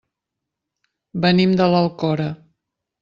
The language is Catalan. Venim de l'Alcora.